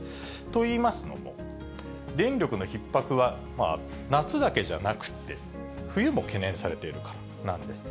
といいますのも、電力のひっ迫は夏だけじゃなくて、冬も懸念されているからなんです。